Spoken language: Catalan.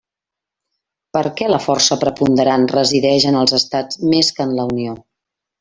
Per què la força preponderant resideix en els estats més que en la Unió.